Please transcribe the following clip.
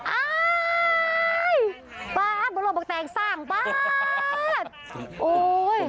ไม่รู้หรอกตังสร้าง